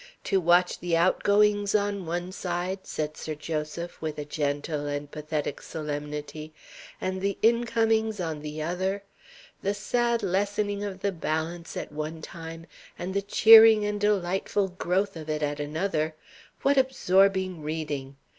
To watch the outgoings on one side," said Sir Joseph, with a gentle and pathetic solemnity, "and the incomings on the other the sad lessening of the balance at one time, and the cheering and delightful growth of it at another what absorbing reading!